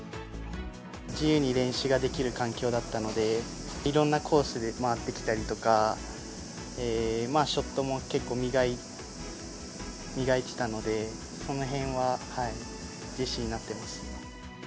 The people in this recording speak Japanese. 自由に練習ができる環境だったので、いろんなコースで回ってきたりとか、ショットも結構磨いてたので、そのへんは自信になっています。